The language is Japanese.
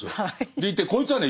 でいてこいつはね